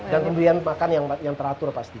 dan imbrian makan yang teratur pasti